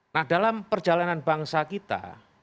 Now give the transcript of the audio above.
nah dalam perjalanan bangsa kita